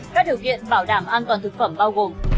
các điều kiện bảo đảm an toàn thực phẩm bao gồm